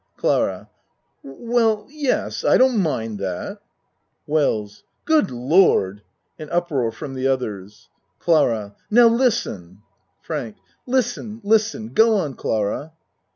CLARA Well, yes. I don't mind that. WELLS Good Lord! (An uproar from the oth ers.) CLARA Now, listen! FRANK Listen! Listen! Go on, Clara.